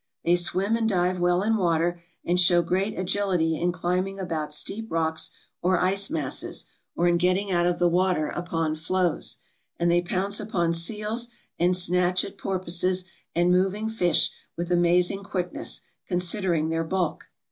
They swim and dive well in water, and show great agility in climbing about steep rocks or ice masses, or in getting out of the water upon floes; and they pounce upon seals and snatch at por poises and moving fish with amazing quickness, considering their bulk.